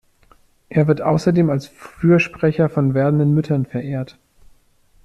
Er wird außerdem als Fürsprecher von werdenden Müttern verehrt.